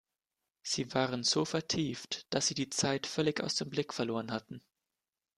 Sie waren so vertieft, dass sie die Zeit völlig aus dem Blick verloren hatten.